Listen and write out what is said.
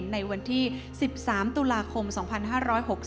ฉบับวันที่๒๘ตุลาคมพุทธศักราช๒๕๖๐